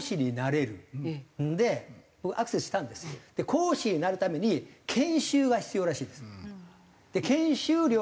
講師になるために研修が必要らしいです。